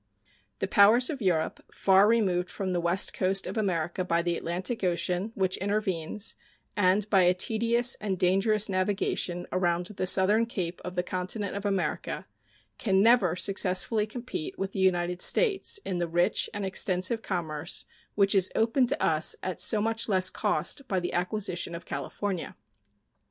The powers of Europe, far removed from the west coast of America by the Atlantic Ocean, which intervenes, and by a tedious and dangerous navigation around the southern cape of the continent of America, can never successfully compete with the United States in the rich and extensive commerce which is opened to us at so much less cost by the acquisition of California.